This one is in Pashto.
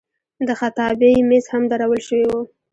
د خطابې میز هم درول شوی و.